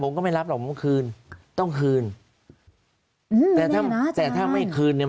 ผมก็ไม่รับหรอกเมื่อคืนต้องคืนอืมแต่ถ้าแต่ถ้าไม่คืนเนี้ย